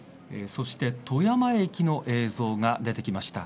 そして富山駅の映像が出てきました。